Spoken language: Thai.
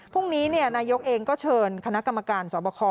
พรุ่งนี้นายกเองก็เชิญคณะกรรมการสอบคอ